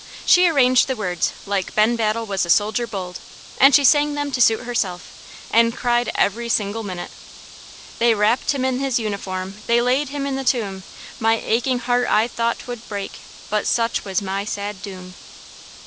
She arranged the words like "Ben Battle was a soldier bold," and she sang them to suit herself, and cried every single minute: "They wrapped him in his uniform, They laid him in the tomb, My aching heart I thought 'twould break, But such was my sad doom."